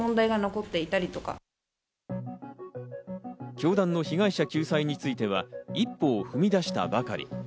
教団の被害者救済については、一歩を踏みだしたばかり。